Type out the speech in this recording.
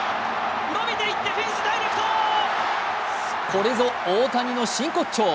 これぞ大谷の真骨頂。